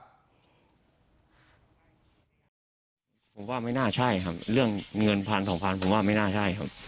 ผมว่าไม่น่าใช่ครับเรื่องเงินพันสองพันผมว่าไม่น่าใช่ครับ